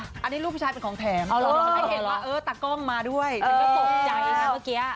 อะไรคะอันนี้รูปผู้ชายเป็นของแถมเออตากล้องมาด้วยก็ถูกใจค่ะเมื่อกี้